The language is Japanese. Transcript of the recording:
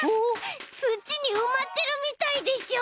つちにうまってるみたいでしょ！